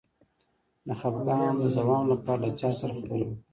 د خپګان د دوام لپاره له چا سره خبرې وکړم؟